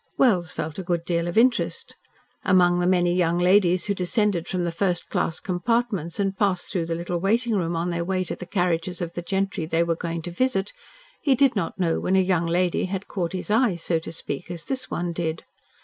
Wells felt a good deal of interest. Among the many young ladies who descended from the first class compartments and passed through the little waiting room on their way to the carriages of the gentry they were going to visit, he did not know when a young lady had "caught his eye," so to speak, as this one did.